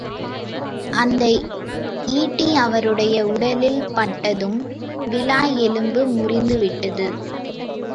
அந்த ஈட்டி அவருடைய உடலில் பட்டதும் விலா எலும்பு முறிந்து விட்டது.